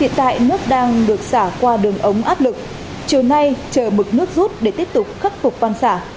hiện tại nước đang được xả qua đường ống áp lực chiều nay chờ mực nước rút để tiếp tục khắc phục quan xả